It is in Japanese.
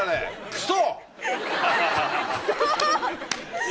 クソ！